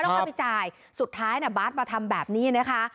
ค่อยไปจ่ายสุดท้ายบาทมาทำแบบนี้นะคะ